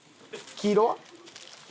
黄色。